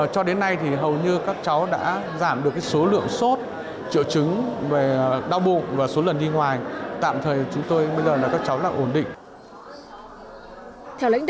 cho đến nay thì hầu như các cháu đã giảm được số lượng sốt triệu chứng về đau bụng và số lần đi ngoài tạm thời chúng tôi bây giờ là các cháu là ổn định